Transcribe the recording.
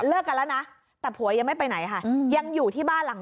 กันแล้วนะแต่ผัวยังไม่ไปไหนค่ะยังอยู่ที่บ้านหลัง